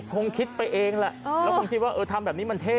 คงคิดไปเองแหละแล้วคงคิดว่าเออทำแบบนี้มันเท่